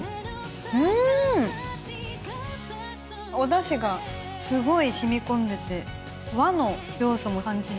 うーん！おだしがすごい染み込んでて和の要素も感じられる味。